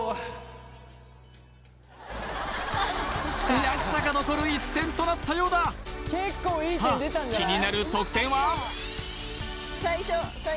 悔しさが残る一戦となったようださあ気になる得点は？